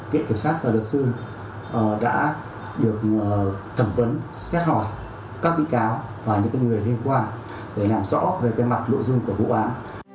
viện kiểm sát và luật sư đã được thẩm vấn xét hỏi các bị cáo và những người liên quan để làm rõ về mặt nội dung của vụ án